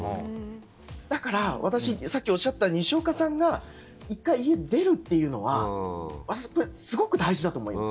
だから、私、さっきおっしゃったにしおかさんが１回家を出るっていうのはすごく大事だと思います。